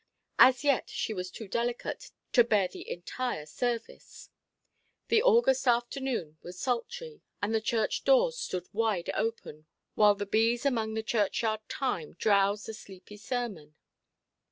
As yet she was too delicate to bear the entire service. The August afternoon was sultry, and the church doors stood wide open, while the bees among the churchyard thyme drowsed a sleepy sermon.